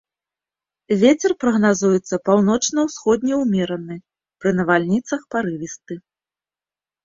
Вецер прагназуецца паўночна-ўсходні ўмераны, пры навальніцах парывісты.